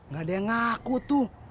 gak ada yang ngaku tuh